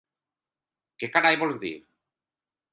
Què carai vols dir?